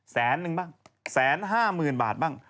แสนนึงบ้างแสนห้าหมื่นบาทบ้าง